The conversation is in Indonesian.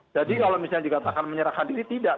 jadi kalau misalnya dikatakan menyerahkan diri tidak